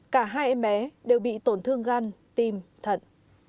cả hai em bé đều bị tổn thương gan tim thận